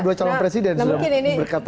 dua calon presiden sudah berkata